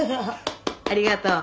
ありがとう。